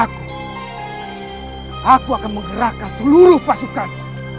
dan aku aku akan menggerakkan seluruh pasukan